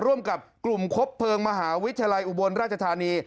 ร่วมกับกลุ่มคบเพลิงมหาวิทยาลัยอุบลราชธานี